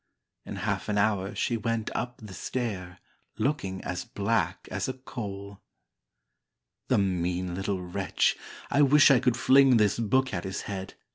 In half an hour she went up the stair, Looking as black as a coal! "The mean little wretch, I wish I could fling This book at his head!"